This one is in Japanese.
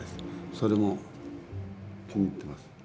それも気に入ってます。